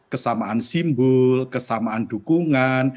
kesamaan simbol kesamaan dukungan